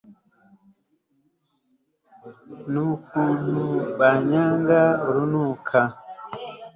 n'ukuntu banyanga urunuka